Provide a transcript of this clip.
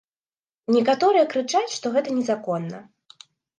Некаторыя крычаць, што гэта незаконна.